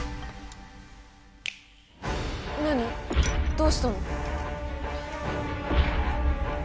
どうしたの？